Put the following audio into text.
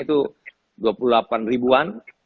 itu dua puluh delapan ribuan